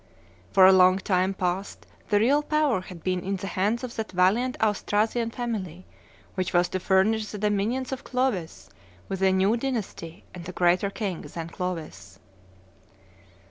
For a long time past the real power had been in the hands of that valiant Austrasian family which was to furnish the dominions of Clovis with a new dynasty and a greater king than Clovis.